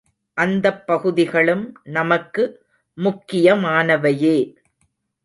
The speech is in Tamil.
அந்தப் பகுதிகளும் நமக்கு முக்கியமானவையே.